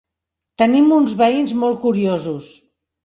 Tenim uns veïns molt curiosos.